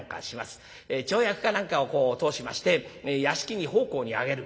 町役かなんかを通しまして屋敷に奉公に上げる。